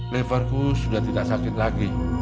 leverku sudah tidak sakit lagi